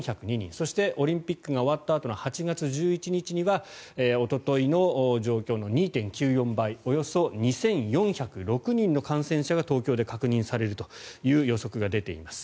そして、オリンピックが終わったあとの８月１１日にはおとといの状況の２．９４倍およそ２４０６人の感染者が東京で確認されるという予測が出ています。